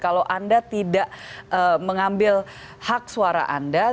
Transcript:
kalau anda tidak mengambil hak suara anda